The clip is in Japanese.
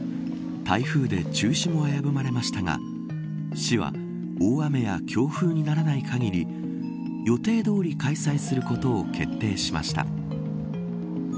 台風で中止も危ぶまれましたが市は、大雨や強風にならない限り予定どおり開催することを決定しました。